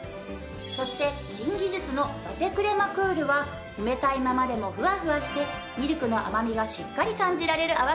そして新技術のラテクレマクールは冷たいままでもふわふわしてミルクの甘みがしっかり感じられる泡が作れるの。